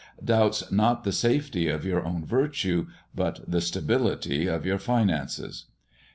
doubts not the safety of your own virtue, but the stability of your finances.